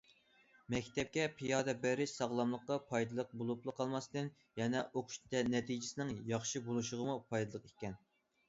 مەكتەپكە پىيادە بېرىش ساغلاملىققا پايدىلىق بولۇپلا قالماستىن يەنە ئوقۇش نەتىجىسىنىڭ ياخشى بولۇشىغىمۇ پايدىلىق ئىكەن.